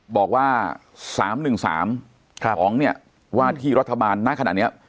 บอกว่าสามหนึ่งสามครับของเนี่ยว่าที่รัฐบาลน่าขนาดเนี้ย